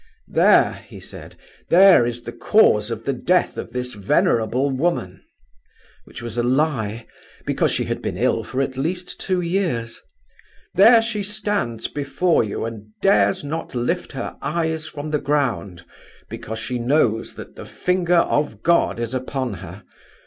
'There,' he said, 'there is the cause of the death of this venerable woman'—(which was a lie, because she had been ill for at least two years)—'there she stands before you, and dares not lift her eyes from the ground, because she knows that the finger of God is upon her.